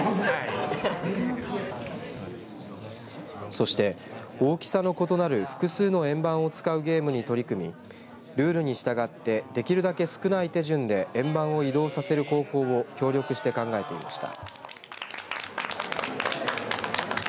そして大きさの異なる複数の円盤を使うゲームに取り組みルールに従ってできるだけ少ない手順で円盤を移動させる方法を協力して考えていました。